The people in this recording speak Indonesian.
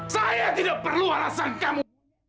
saya tidak perlu alasan kamu